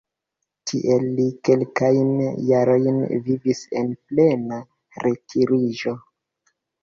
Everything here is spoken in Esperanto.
Tie li kelkajn jarojn vivis en plena retiriĝo.